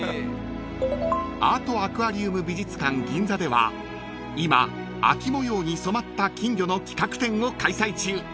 ［アートアクアリウム美術館ＧＩＮＺＡでは今秋模様に染まった金魚の企画展を開催中］